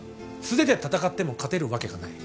素手で戦っても勝てるわけがない。